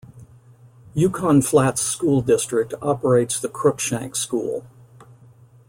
Yukon Flats School District operates the Cruikshank School.